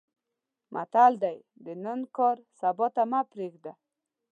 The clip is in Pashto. متل دی: د نن کار سبا ته مې پرېږده.